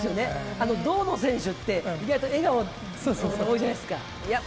あの銅の選手って意外と笑顔の方多いじゃないですか。